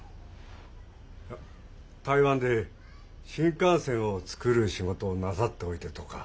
台湾で新幹線を作る仕事をなさっておいでとか。